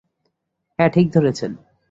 হ্যাঁ, ঠিক ধরেছেন।